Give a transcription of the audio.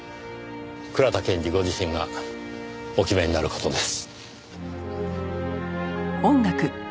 倉田検事ご自身がお決めになる事です。